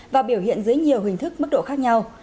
và biểu hiện dưới nhiều hình thức mức độ khác nhau